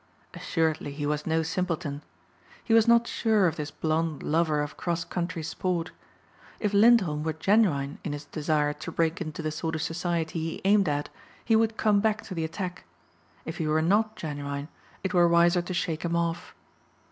Assuredly he was no simpleton. He was not sure of this blond lover of cross country sport. If Lindholm were genuine in his desire to break into the sort of society he aimed at he would come back to the attack. If he were not genuine it were wiser to shake him off.